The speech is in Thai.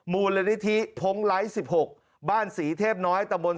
มูลนิธิพงไลท์๑๖บ้านศรีเทพน้อยตะบน